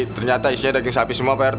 ternyata isinya daging sapi semua pak rt